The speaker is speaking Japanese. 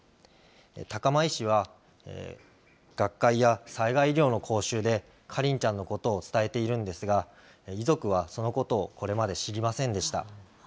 高間医師は、学会や災害医療の講習で花梨ちゃんのことを伝えているんですが、遺族はそのことをこれまで知りませんでした。